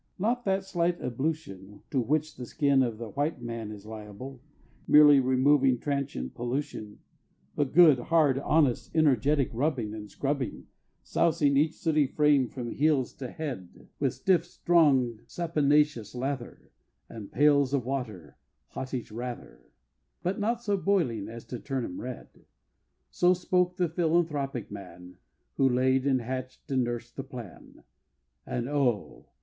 not that slight ablution To which the skin of the White Man is liable, Merely removing transient pollution But good, hard, honest, energetic rubbing And scrubbing, Sousing each sooty frame from heels to head With stiff, strong, saponaceous lather, And pails of water hottish rather, But not so boiling as to turn 'em red! So spoke the philanthropic man Who laid, and hatch'd, and nursed the plan And oh!